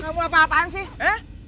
kamu apa apaan sih